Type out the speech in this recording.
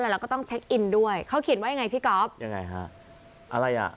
เราก็ต้องเช็คอินด้วยเขาเขียนว่ายังไงพี่ก๊อฟยังไงฮะอะไรอ่ะ